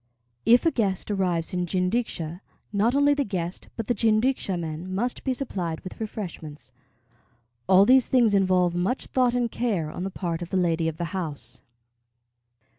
If a guest arrives in jinrikisha, not only the guest, but the jinrikisha men must be supplied with refreshments. All these things involve much thought and care on the part of the lady of the house.